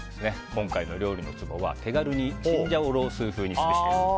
今回の料理のツボは手軽にチンジャオロースー風にすべしです。